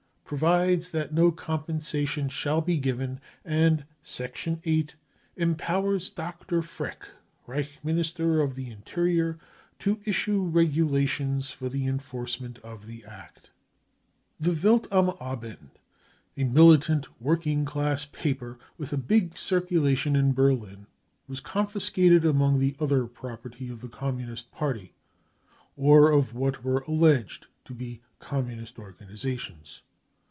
Provides that no compensation shall be given, and ^" VIII. Empowers Dr. Frick, Reich Minister of the In terior, to issue regulations for the enforcement of the Act . 55 The Welt am Abend , a militant working class paper with a big circulation in Berlin, was confiscated among the other property of the Communist Party, or of what were alleged to be Communist organisations.